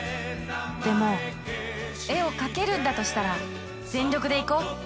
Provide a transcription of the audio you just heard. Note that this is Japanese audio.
でも絵を描けるんだとしたら全力でいこう。